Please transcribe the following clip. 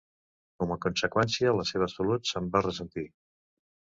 Com a conseqüència la seva salut se'n va ressentir.